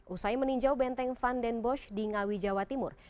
usai meninjau benteng van den bosch di ngawi jawa timur